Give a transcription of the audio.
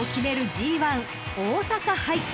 ＧⅠ大阪杯］